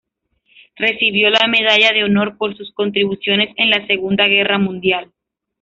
Recibió la Medalla de Honor por sus contribuciones en la Segunda Guerra Mundial.